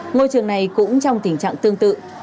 ngôi trường này cũng trong tình trạng tương tự